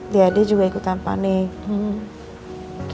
dia juga ikutan panik